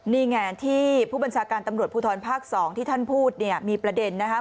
นี่ไงที่ผู้บัญชาการตำรวจภูทรภาค๒ที่ท่านพูดเนี่ยมีประเด็นนะครับ